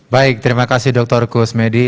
baik terima kasih dr kusmedi